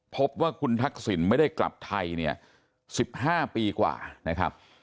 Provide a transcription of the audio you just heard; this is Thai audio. พบว่าคุณทักษิณไม่ได้กลับไทยเนี่ย๑๕ปีกว่านะครับ